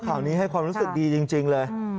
ข่าวนี้ให้ความรู้สึกดีจริงเลย